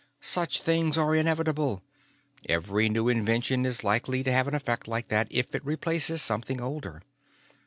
"Such things are inevitable. Every new invention is likely to have an effect like that if it replaces something older.